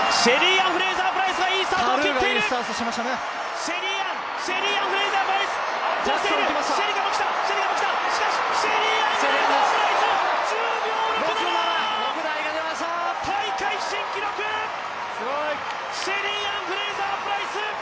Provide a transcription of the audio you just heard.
シェリーアン・フレイザー・プライス！